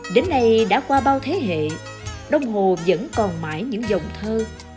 đến nay đã qua bao thế hệ đông hồ vẫn còn mãi những dòng thơ